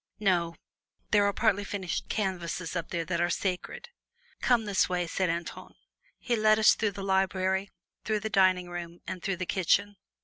No; there are partly finished canvases up there that are sacred." "Come this way," said Antoine. He led us out through the library, then the dining room and through the kitchen.